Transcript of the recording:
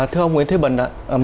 thưa ông nguyễn thế bình